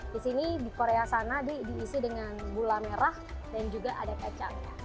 di sini di korea sana diisi dengan gula merah dan juga ada kacangnya